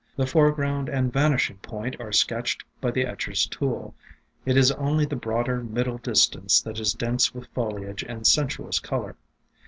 The foreground and vanishing point are sketched by the etch er's tool ; it is only the broader middle distance that is dense with foliage and sensuous color.